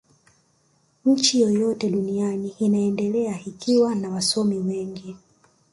nchi yoyote duniani inaendelea ikiwa na wasomi wengi